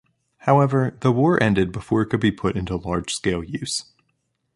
However, the war ended before it could be put into large scale use.